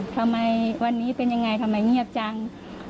ทำไมวันนี้เป็นยังไงทำไมเงียบจัง